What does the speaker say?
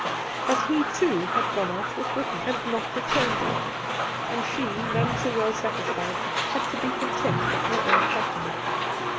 But he too had gone out with "Whitton, and not returned yet ; and she, none too well satisfied, had to be content with her own company.